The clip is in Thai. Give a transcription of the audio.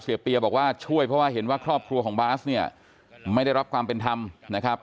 เปียบอกว่าช่วยเพราะว่าเห็นว่าครอบครัวของบาสเนี่ยไม่ได้รับความเป็นธรรมนะครับ